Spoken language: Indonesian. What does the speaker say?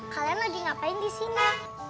kalian lagi ngapain di sini